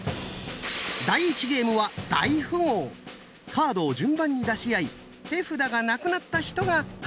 カードを順番に出し合い手札がなくなった人が勝ち！